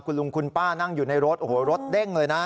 คุณลุงคุณป้านั่งอยู่ในรถโอ้โหรถเด้งเลยนะ